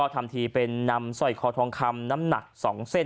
ทำทีเป็นนำสร้อยคอทองคำน้ำหนัก๒เส้น